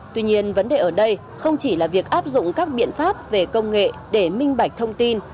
tuy nhiên vấn đề ở đây không chỉ là việc áp dụng các biện pháp về công nghệ để minh bạch thông tin